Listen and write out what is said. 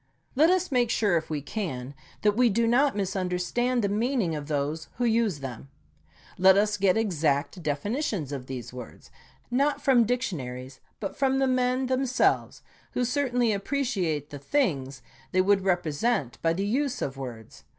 Let us make sure, if we can, that we do not misunderstand the mean ing of those who use them. Let us get exact definitions of these words, not from dictionaries, but from the men themselves, who certainly appreciate the things they would represent by the use of words.